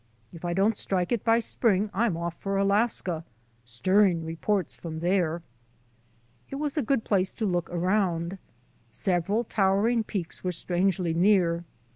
If I don't strike it by spring I'm off for Alaska. Stirring reports from there. " It was a good place to look around. Several towering peaks were strangely near.